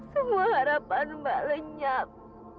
semua harapan mbak lenyap